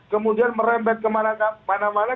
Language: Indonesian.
kemudian merembet kemana mana